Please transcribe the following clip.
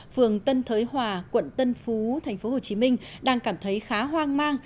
phường tân thới hòa quận tân phú tp hcm đang cảm thấy khá hoang mang